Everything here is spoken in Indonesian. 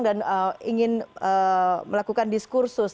dan ingin melakukan diskursus